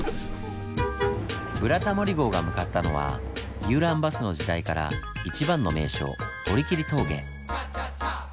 ブラタモリ号が向かったのは遊覧バスの時代から一番の名所堀切峠。